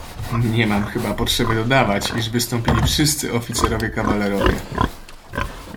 "Nie mam chyba potrzeby dodawać, iż wystąpili wszyscy oficerowie kawalerowie."